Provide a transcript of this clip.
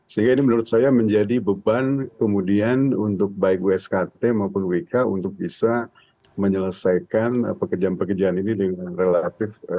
sehingga ini menurut saya menjadi beban kemudian untuk baik uskt maupun wika untuk bisa menyelesaikan pekerjaan pekerjaan ini dengan relatif